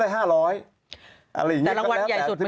แต่รางวัลใหญ่สุดมันคือ